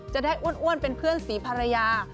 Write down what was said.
จะได้อ้วนเป็นเพื่อนสีภรรยา